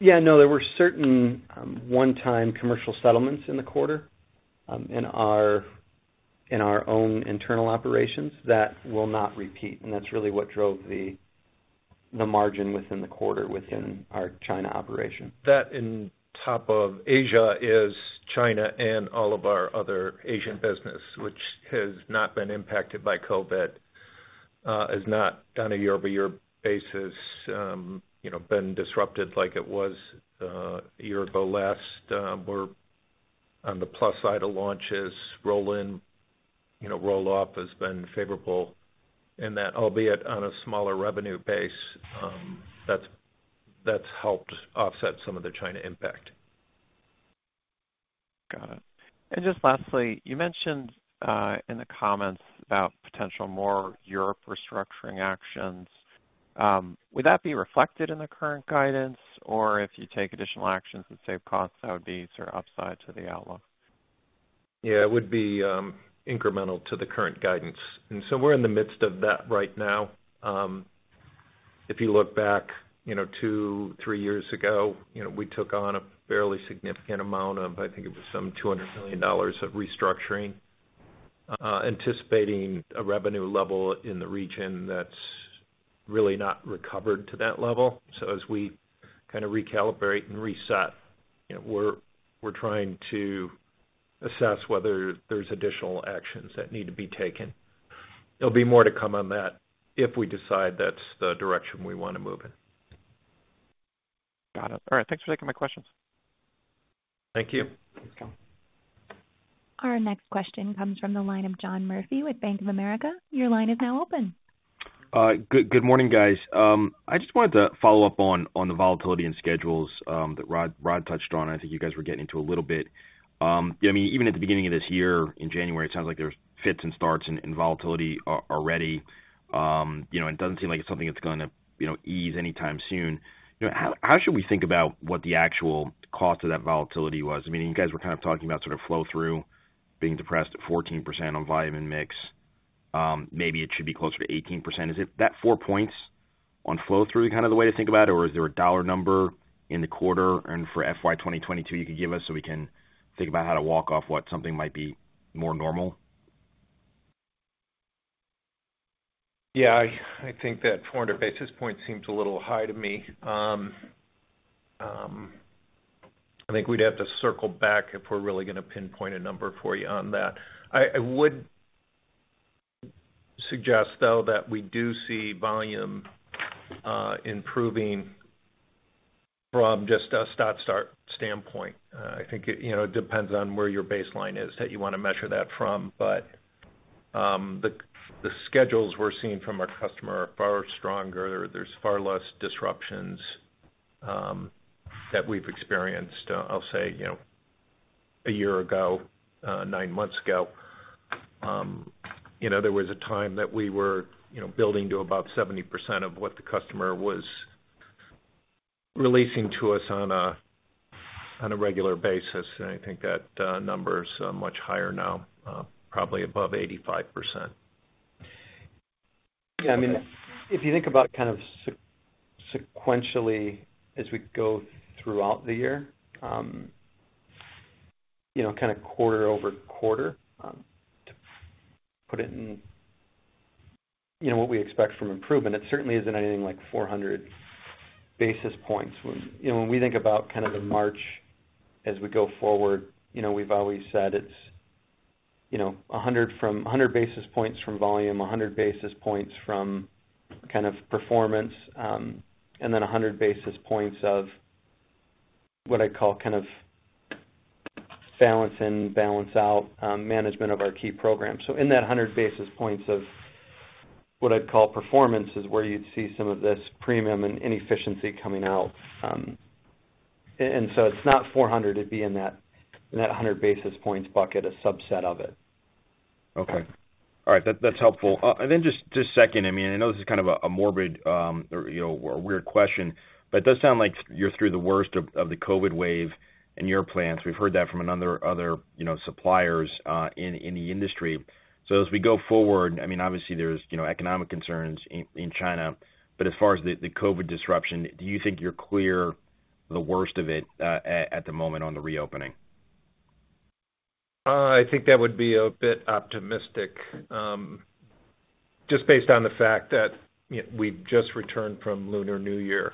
Yeah. No, there were certain one-time commercial settlements in the quarter, in our own internal operations that will not repeat, and that's really what drove the margin within the quarter within our China operation. That on top of Asia is China and all of our other Asian business, which has not been impacted by COVID, has not on a year-over-year basis, you know, been disrupted like it was a year ago last. We're on the plus side of launches. Roll-in, you know, roll-off has been favorable. That albeit on a smaller revenue base, that's helped offset some of the China impact. Got it. Just lastly, you mentioned in the comments about potential more Europe restructuring actions. Would that be reflected in the current guidance, or if you take additional actions and save costs, that would be sort of upside to the outlook? Yeah, it would be incremental to the current guidance. We're in the midst of that right now. If you look back, you know, two, three years ago, you know, we took on a fairly significant amount of, I think it was some $200 million of restructuring, anticipating a revenue level in the region that's really not recovered to that level. As we kinda recalibrate and reset, you know, we're trying to assess whether there's additional actions that need to be taken. There'll be more to come on that if we decide that's the direction we wanna move in. Got it. All right. Thanks for taking my questions. Thank you. Thanks, Colin. Our next question comes from the line of John Murphy with Bank of America. Your line is now open. Good morning, guys. I just wanted to follow up on the volatility and schedules that Rod touched on. I think you guys were getting into a little bit. I mean, even at the beginning of this year in January, it sounds like there's fits and starts and volatility already. You know, it doesn't seem like it's something that's gonna, you know, ease anytime soon. You know, how should we think about what the actual cost of that volatility was? I mean, you guys were kind of talking about sort of flow-through being depressed at 14% on volume and mix. Maybe it should be closer to 18%. Is it that four points on flow-through kind of the way to think about it, or is there a dollar number in the quarter and for FY 2022 you could give us so we can think about how to walk off what something might be more normal? I think that 400 basis points seems a little high to me. I think we'd have to circle back if we're really gonna pinpoint a number for you on that. I would suggest, though, that we do see volume improving from just a start standpoint, I think it, you know, depends on where your baseline is that you wanna measure that from. The schedules we're seeing from our customer are far stronger. There's far less disruptions that we've experienced. I'll say, you know, a year ago, nine months ago, you know, there was a time that we were, you know, building to about 70% of what the customer was releasing to us on a regular basis. I think that number is much higher now, probably above 85%. Yeah. I mean, if you think about kind of sequentially as we go throughout the year, you know, kinda quarter over quarter, to put it in, you know, what we expect from improvement, it certainly isn't anything like 400 basis points. When you know, when we think about kind of in March as we go forward, you know, we've always said it's, you know, 100 basis points from volume, 100 basis points from kind of performance, and then 100 basis points of what I call kind of balance in, balance out, management of our key program. In that 100 basis points of what I'd call performance is where you'd see some of this premium and inefficiency coming out. It's not 400, it'd be in that, in that 100 basis points bucket, a subset of it. Okay. All right. That's helpful. Then just second, I mean, I know this is kind of a morbid, or, you know, or a weird question, but it does sound like you're through the worst of the COVID wave in your plants. We've heard that from another, other, you know, suppliers in the industry. As we go forward, I mean, obviously there's, you know, economic concerns in China, but as far as the COVID disruption, do you think you're clear the worst of it at the moment on the reopening? I think that would be a bit optimistic, just based on the fact that, you know, we've just returned from Lunar New Year.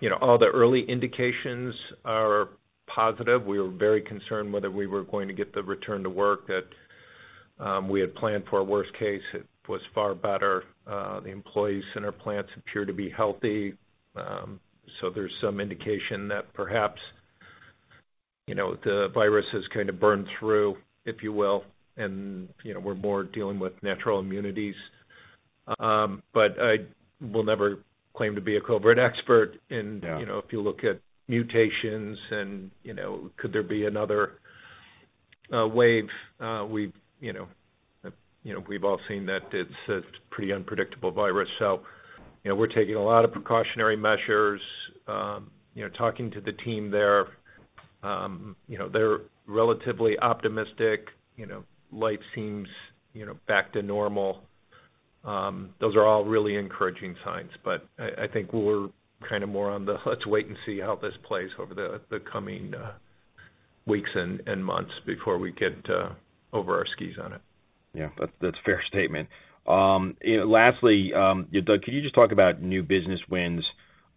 You know, all the early indications are positive. We were very concerned whether we were going to get the return to work that, we had planned for a worst case. It was far better. The employees in our plants appear to be healthy. There's some indication that perhaps, you know, the virus has kinda burned through, if you will, and, you know, we're more dealing with natural immunities. I will never claim to be a COVID expert. Yeah. You know, if you look at mutations and, you know, could there be another wave, we've, you know, we've all seen that it's a pretty unpredictable virus. You know, we're taking a lot of precautionary measures. You know, talking to the team there, you know, they're relatively optimistic. You know, life seems, you know, back to normal. Those are all really encouraging signs. I think we're kinda more on the let's wait and see how this plays over the coming weeks and months before we get over our skis on it. Yeah. That's a fair statement. Lastly, Doug, could you just talk about new business wins,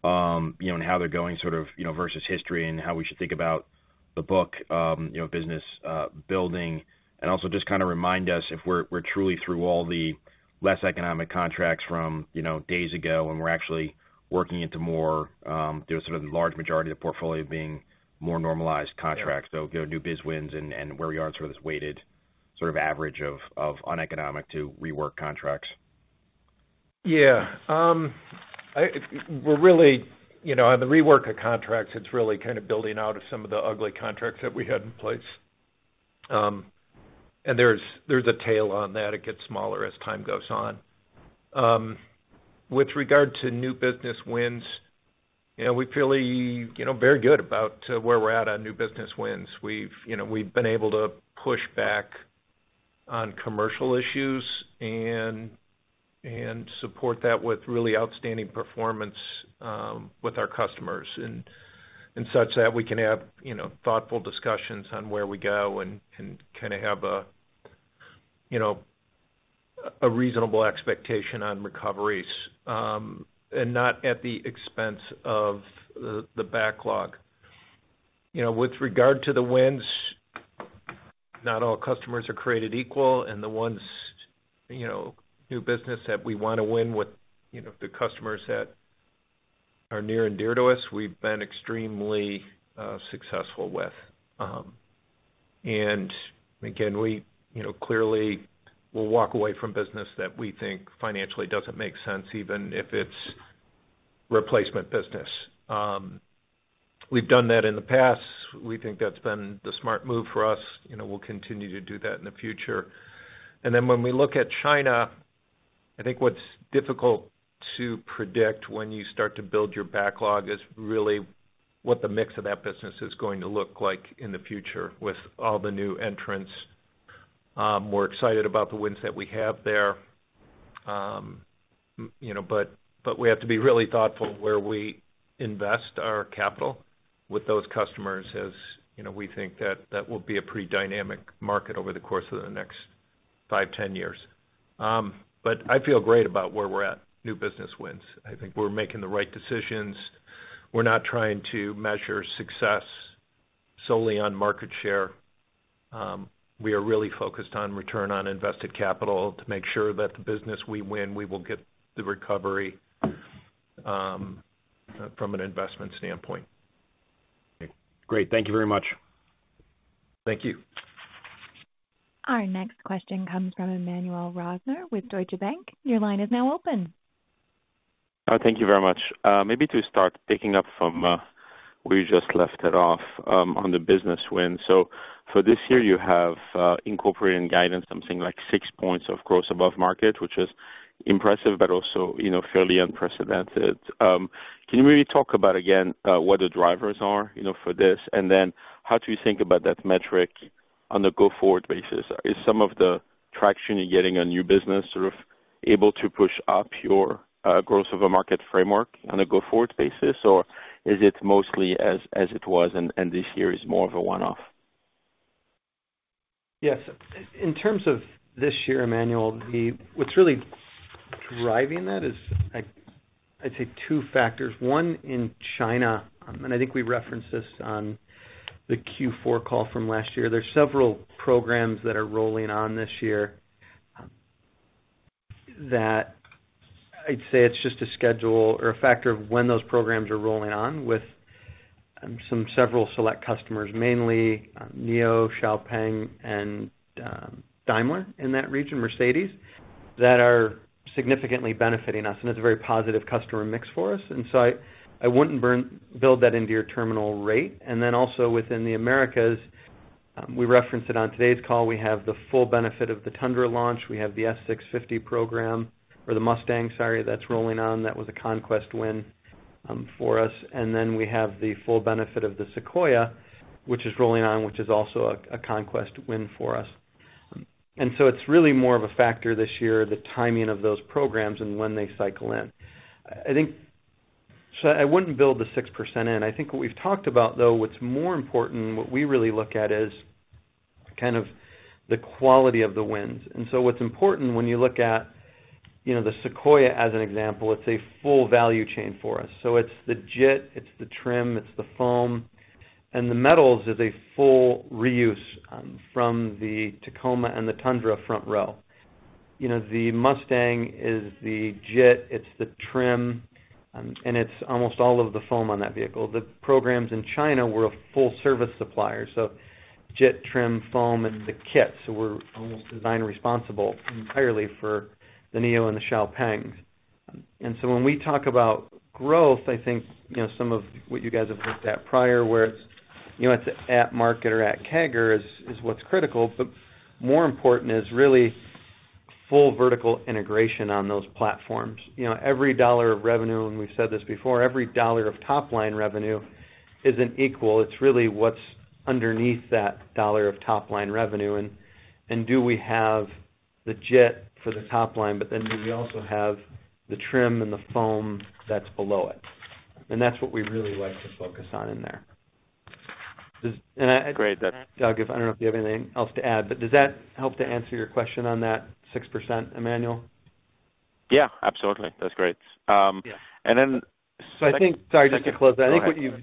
you know, and how they're going sort of, you know, versus history and how we should think about the book, you know, business building? Also just kinda remind us if we're truly through all the less economic contracts from, you know, days ago, and we're actually working into more, you know, sort of large majority of the portfolio being more normalized contracts? Yeah. You know, new biz wins and where we are in sort of this weighted sort of average of uneconomic to rework contracts. Yeah. You know, on the rework of contracts, it's really kind of building out of some of the ugly contracts that we had in place. There's a tail on that. It gets smaller as time goes on. With regard to new business wins, you know, we feel you know, very good about where we're at on new business wins. We've, you know, we've been able to push back on commercial issues and support that with really outstanding performance with our customers. Such that we can have, you know, thoughtful discussions on where we go and kind of have a, you know, a reasonable expectation on recoveries, and not at the expense of the backlog. You know, with regard to the wins, not all customers are created equal, and the ones, you know, new business that we wanna win with, you know, the customers that are near and dear to us, we've been extremely successful with. Again, we, you know, clearly will walk away from business that we think financially doesn't make sense, even if it's replacement business. We've done that in the past. We think that's been the smart move for us. You know, we'll continue to do that in the future. When we look at China, I think what's difficult to predict when you start to build your backlog is really what the mix of that business is going to look like in the future with all the new entrants. We're excited about the wins that we have there. you know, but we have to be really thoughtful where we invest our capital with those customers as, you know, we think that that will be a pretty dynamic market over the course of the next five, 10 years. I feel great about where we're at new business wins. I think we're making the right decisions. We're not trying to measure success Solely on market share, we are really focused on return on invested capital to make sure that the business we win, we will get the recovery from an investment standpoint. Great. Thank you very much. Thank you. Our next question comes from Emmanuel Rosner with Deutsche Bank. Your line is now open. Thank you very much. Maybe to start picking up from where you just left it off on the business win. For this year, you have incorporated in guidance something like 6 points of growth above market, which is impressive, but also, you know, fairly unprecedented. Can you maybe talk about again what the drivers are, you know, for this, and then how do you think about that metric on a go-forward basis? Is some of the traction you're getting on new business sort of able to push up your growth over market framework on a go-forward basis? Or is it mostly as it was and this year is more of a one-off? Yes. In terms of this year, Emmanuel, what's really driving that is I'd say two factors. One, in China, I think we referenced this on the Q4 call from last year. There are several programs that are rolling on this year, that I'd say it's just a schedule or a factor of when those programs are rolling on with some several select customers, mainly, NIO, XPeng, and Daimler in that region, Mercedes, that are significantly benefiting us, and it's a very positive customer mix for us. So I wouldn't build that into your terminal rate. Also within the Americas, we referenced it on today's call, we have the full benefit of the Tundra launch. We have the F-650 program or the Mustang, sorry, that's rolling on. That was a conquest win for us. We have the full benefit of the Sequoia, which is rolling on, which is also a conquest win for us. It's really more of a factor this year, the timing of those programs and when they cycle in. I wouldn't build the 6% in. What we've talked about, though, what's more important and what we really look at is kind of the quality of the wins. What's important when you look at, you know, the Sequoia as an example, it's a full value chain for us. It's the JIT, it's the trim, it's the foam, and the metals is a full reuse from the Tacoma and the Tundra front row. The Mustang is the JIT, it's the trim, and it's almost all of the foam on that vehicle. The programs in China were a full service supplier, JIT, trim, foam, and the kit. We're almost design responsible entirely for the NIO and the XPengs. When we talk about growth, I think, you know, some of what you guys have looked at prior, where it's, you know, it's at market or at CAGR is what's critical. More important is really full vertical integration on those platforms. You know, every $1 of revenue, and we've said this before, every $1 of top-line revenue isn't equal. It's really what's underneath that $1 of top-line revenue, and do we have the JIT for the top line, but then do we also have the trim and the foam that's below it? That's what we really like to focus on in there. Great. Doug, if, I don't know if you have anything else to add, but does that help to answer your question on that 6%, Emmanuel? Yeah, absolutely. That's great. Yeah. And then- Sorry, just to close. Go ahead. I think what you've,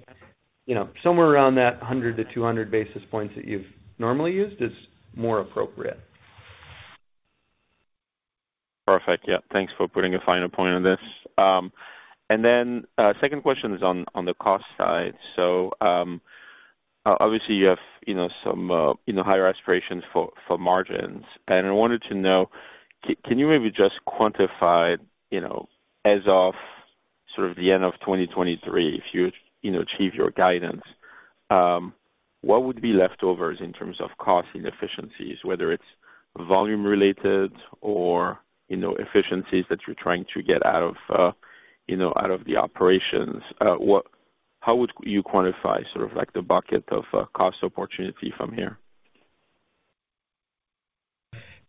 you know, somewhere around that 100-200 basis points that you've normally used is more appropriate. Perfect. Yeah. Thanks for putting a final point on this. Second question is on the cost side. obviously you have, you know, some, you know, higher aspirations for margins. I wanted to know, can you maybe just quantify, you know, as of sort of the end of 2023, if you know, achieve your guidance, what would be leftovers in terms of cost inefficiencies, whether it's volume related or, you know, efficiencies that you're trying to get out of, you know, out of the operations? how would you quantify sort of like the bucket of, cost opportunity from here?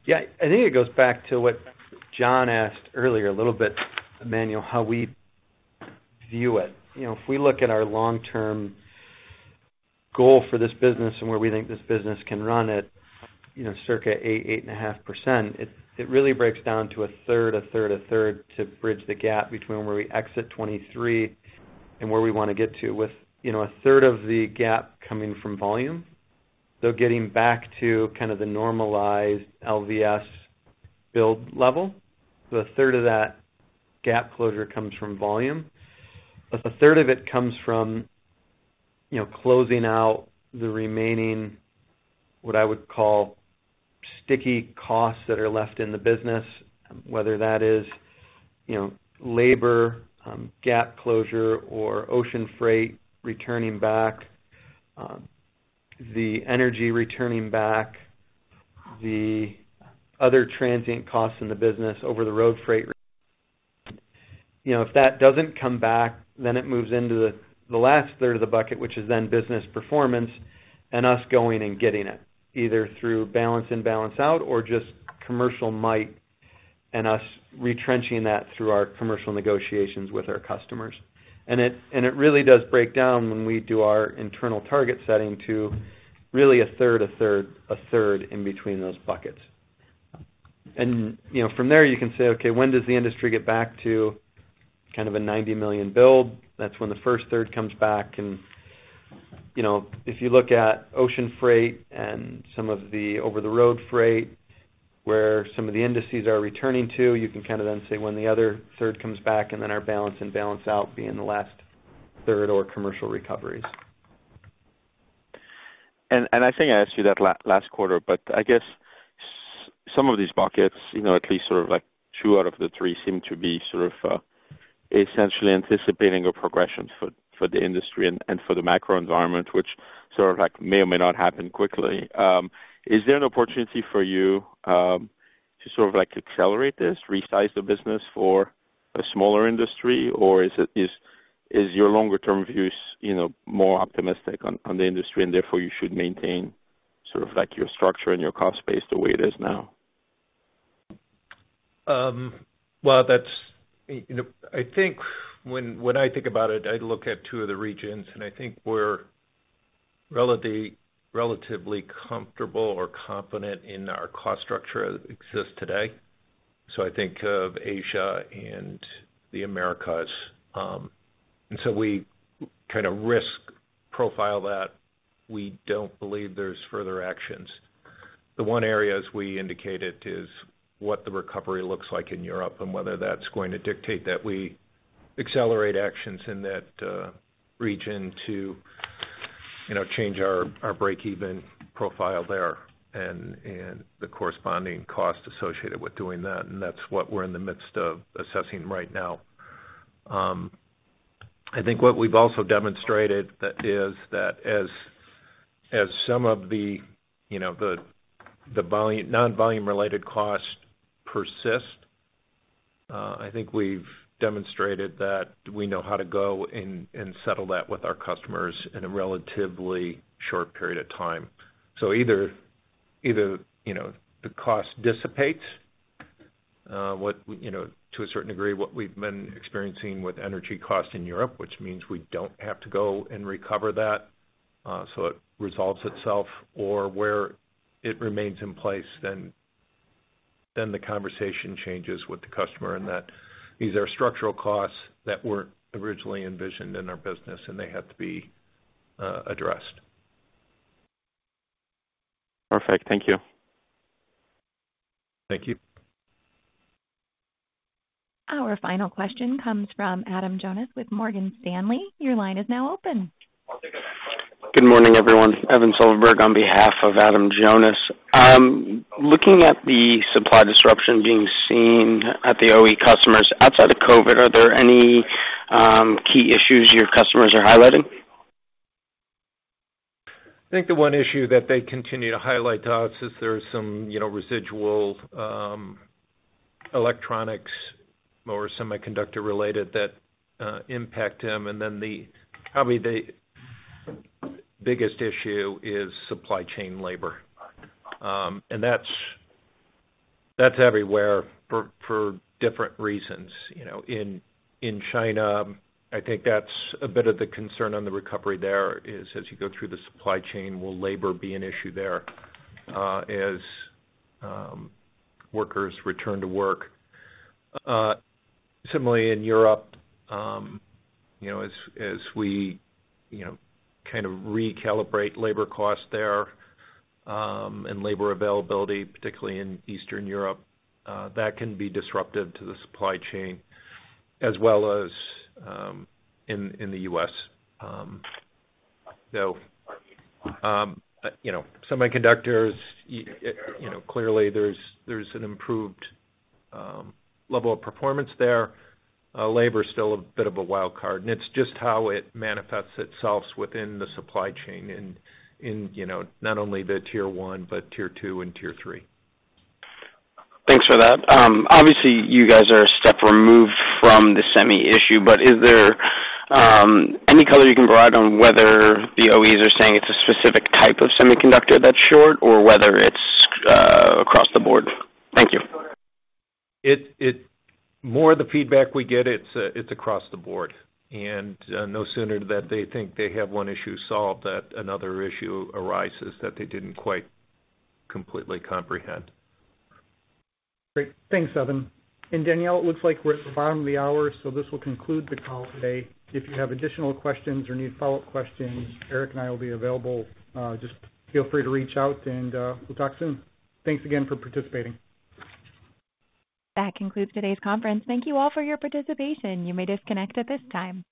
Yeah. I think it goes back to what John asked earlier a little bit, Emmanuel, how we view it. You know, if we look at our long-term goal for this business and where we think this business can run at, you know, circa 8.5%, it really breaks down to a third, a third, a third to bridge the gap between where we exit 2023 and where we wanna get to with, you know, a third of the gap coming from volume. Getting back to kind of the normalized LVS build level. A third of that gap closure comes from volume. A third of it comes from, you know, closing out the remaining, what I would call sticky costs that are left in the business, whether that is, you know, labor, gap closure or ocean freight returning back, the energy returning back, the other transient costs in the business over the road freight. You know, if that doesn't come back, then it moves into the last third of the bucket, which is then business performance and us going and getting it either through balance and balance out or just commercial might and us retrenching that through our commercial negotiations with our customers. It, and it really does break down when we do our internal target setting to really 1/3, in between those buckets. You know, from there you can say, okay, when does the industry get back to kind of a $90 million build? That's when the first 1/3 comes back. You know, if you look at ocean freight and some of the over-the-road freight, where some of the indices are returning to, you can kind of then say when the other 1/3 comes back and then our balance and balance out being the last 1/3 or commercial recoveries. I think I asked you that last quarter, I guess some of these buckets, you know, at least sort of like two out of the three seem to be sort of, essentially anticipating a progression for the industry and for the macro environment, which sort of like may or may not happen quickly. Is there an opportunity for you to sort of like accelerate this, resize the business for a smaller industry? Or is it, is your longer term views, you know, more optimistic on the industry, and therefore you should maintain sort of like your structure and your cost base the way it is now? Well, that's, you know, I think when I think about it, I look at two of the regions and I think we're relatively comfortable or confident in our cost structure as it exists today. I think of Asia and the Americas. We kind of risk profile that we don't believe there's further actions. The one area, as we indicated, is what the recovery looks like in Europe and whether that's going to dictate that we accelerate actions in that region to, you know, change our break-even profile there and the corresponding cost associated with doing that. That's what we're in the midst of assessing right now. I think what we've also demonstrated that is that as some of the, you know, the non-volume related costs persist, I think we've demonstrated that we know how to go and settle that with our customers in a relatively short period of time. Either, you know, the cost dissipates, what, you know, to a certain degree, what we've been experiencing with energy costs in Europe, which means we don't have to go and recover that, so it resolves itself or where it remains in place, then the conversation changes with the customer, and that these are structural costs that weren't originally envisioned in our business and they have to be addressed. Perfect. Thank you. Thank you. Our final question comes from Adam Jonas with Morgan Stanley. Your line is now open. Good morning, everyone. Evan Silverberg on behalf of Adam Jonas. Looking at the supply disruption being seen at the OE customers outside of COVID, are there any, key issues your customers are highlighting? I think the one issue that they continue to highlight to us is there are some, you know, residual electronics or semiconductor related that impact them. Probably the biggest issue is supply chain labor. That's everywhere for different reasons. You know, in China, I think that's a bit of the concern on the recovery there is as you go through the supply chain, will labor be an issue there as workers return to work? Similarly in Europe, you know, as we, you know, kind of recalibrate labor costs there, and labor availability, particularly in Eastern Europe, that can be disruptive to the supply chain as well as in the U.S. Semiconductors, you know, clearly there's an improved level of performance there. Labor is still a bit of a wild card, and it's just how it manifests itself within the supply chain in, you know, not only the tier one, but tier two and tier three. Thanks for that. Obviously you guys are a step removed from the semi issue, is there any color you can provide on whether the OEs are saying it's a specific type of semiconductor that's short or whether it's across the board? Thank you. It More of the feedback we get, it's across the board. No sooner that they think they have one issue solved that another issue arises that they didn't quite completely comprehend. Great. Thanks, Evan. Danielle, it looks like we're at the bottom of the hour, so this will conclude the call today. If you have additional questions or need follow-up questions, Eric and I will be available. Just feel free to reach out, and we'll talk soon. Thanks again for participating. That concludes today's conference. Thank you all for your participation. You may disconnect at this time.